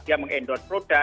ya dia meng endorse produk